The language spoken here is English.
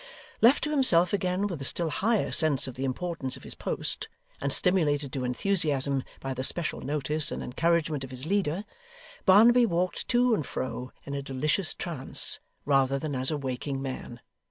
Left to himself again with a still higher sense of the importance of his post, and stimulated to enthusiasm by the special notice and encouragement of his leader, Barnaby walked to and fro in a delicious trance rather than as a waking man.